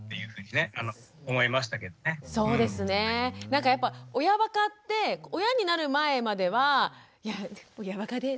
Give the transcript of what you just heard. なんかやっぱ親ばかって親になる前までは「親ばかで」